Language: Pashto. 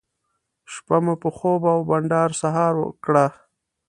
شپه مو په خوب او بانډار سهار کړه.